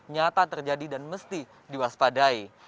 nyata terjadi dan mesti diwaspadai